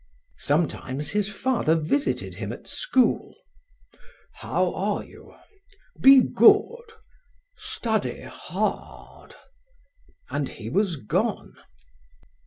Sometimes his father visited him at school. "How are you ... be good ... study hard ..." and he was gone.